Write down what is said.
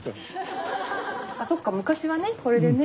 あそっか昔はねこれでね。